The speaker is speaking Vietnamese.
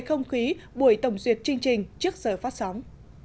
không khí buổi tổng duyệt chương trình trước giờ phát sóng